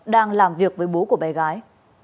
đang làm việc với bố của bé gái